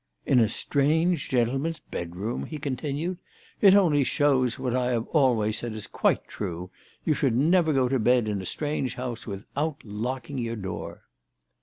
" In a strange gentleman's bedroom !" he continued. " It only shows that what I have always said is quite true. You should never go to bed in a strange house without locking your door."